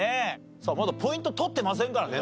さあまだポイント取ってませんからね